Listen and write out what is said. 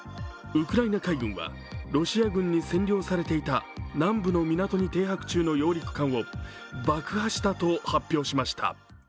ウクライナ海軍はロシア軍に占領されていた南部の港に停泊中の揚陸艦を爆破したと発表しました。